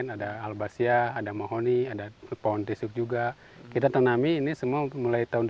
ada albasia ada mohoni ada pohon tesuk juga kita tanami ini semua mulai tahun dua ribu sembilan